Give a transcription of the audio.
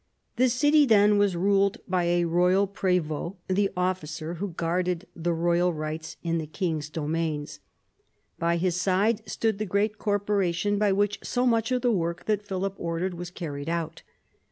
The city then was ruled by a royal prev6t, the officer who guarded the royal rights in the king's domains. By his side stood the great corporation by which so much of the work that Philip ordered was carried out.